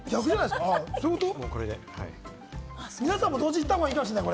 皆さんも同時に行った方がいいかもしれない。